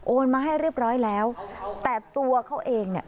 มาให้เรียบร้อยแล้วแต่ตัวเขาเองเนี่ย